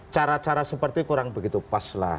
cara cara seperti kurang begitu pas lah